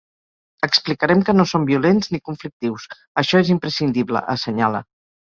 Explicarem que no som violents ni conflictius, això és imprescindible, assenyala.